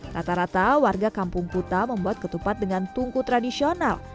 rata rata warga kampung kuta membuat ketupat dengan tungku tradisional